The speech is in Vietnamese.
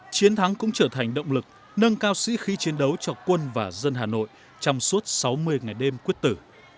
chiến thắng cũng trở thành động lực nâng cao sĩ khí chiến đấu cho quân và dân hà nội trong suốt sáu mươi ngày đêm quyết tử